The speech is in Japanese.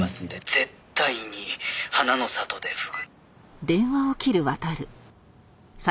「絶対に花の里でフグ」